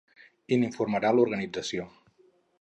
I n’informarà l’organització.